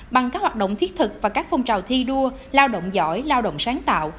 bằng các hoạt động thiết thực và các phong trào thi đua lao động giỏi lao động sáng tạo